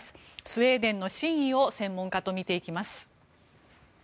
スウェーデンの真意を専門家と見ていきます。